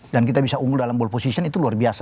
dan kita bisa unggul dalam ball position itu luar biasa